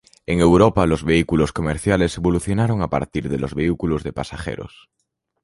En Europa los vehículos comerciales evolucionaron a partir de los vehículos de pasajeros.